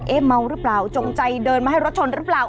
เมาหรือเปล่าจงใจเดินมาให้รถชนหรือเปล่า